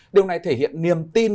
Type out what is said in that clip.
điều này thể hiện niềm tin